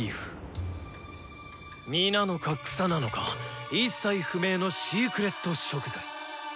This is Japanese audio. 実なのか草なのか一切不明のシークレット食材。